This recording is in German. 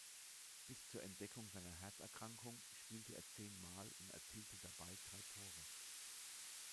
Bis zur Entdeckung seiner Herzerkrankung spielte er zehn Mal und erzielte dabei drei Tore.